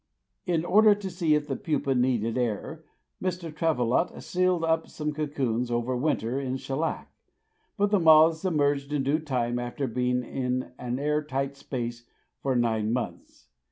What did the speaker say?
In order to see if the pupa needed air, Mr. Trovelot sealed up some cocoons over winter in shellac, but the moths emerged in due time after being in an air tight space for nine months.